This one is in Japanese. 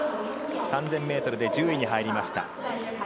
３０００ｍで１０位に入りました。